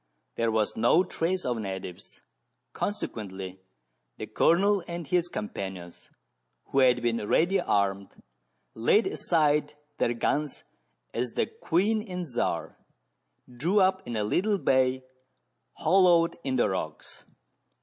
There was no trace of natives, consequently the Colonel and his companions, who had been ready armed, laid aside their guns as the " Queen and Czar" drew up in a little bay hollowed in the rocks.